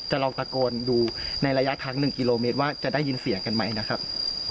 ลองตะโกนดูในระยะทาง๑กิโลเมตรว่าจะได้ยินเสียงกันไหมนะครับ